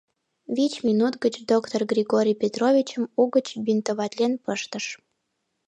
Вич минут гыч доктор Григорий Петровичым угыч бинтоватлен пыштыш.